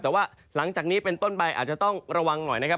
แต่ว่าหลังจากนี้เป็นต้นไปอาจจะต้องระวังหน่อยนะครับ